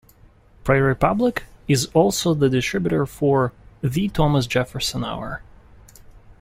Prairie Public is also the distributor for "The Thomas Jefferson Hour".